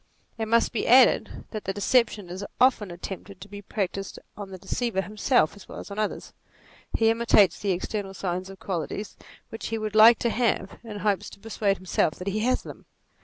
It must be. added that the deception is often attempted to be practised on the deceiver him self as well as on others ; he imitates the external signs of qualities which he would like to have, in hopes to persuade himself that he has them.